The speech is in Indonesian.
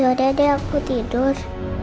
ya udah deh aku tidur